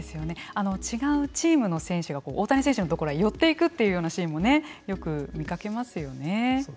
違うチームの選手が大谷選手のところへ寄っていくというようなシーンもねよく見かけますよね。